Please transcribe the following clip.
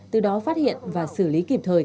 từ đó phát hiện và xử lý kịp thời